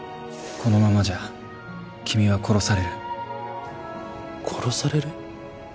このままじゃ君は殺さ殺される？